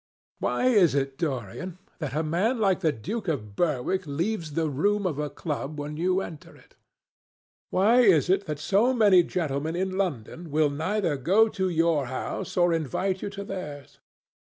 Why is it, Dorian, that a man like the Duke of Berwick leaves the room of a club when you enter it? Why is it that so many gentlemen in London will neither go to your house or invite you to theirs?